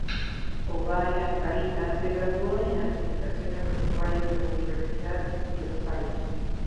Ovalle Angarita se graduó en Administración Agropecuaria de la Universidad de La Salle.